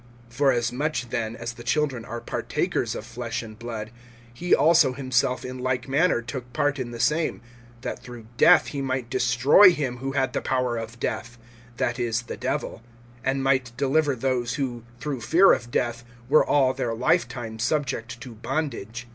(14)Forasmuch then as the children are partakers of flesh and blood, he also himself in like manner took part in the same; that through death he might destroy him who had the power of death, that is, the Devil; (15)and might deliver those who, through fear of death, were all their lifetime subject to bondage.